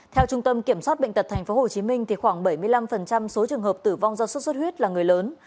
theo trung tâm kiểm soát bệnh tật tp hcm khoảng bảy mươi năm số trường hợp tử vong do sốt xuất huyết là người lớn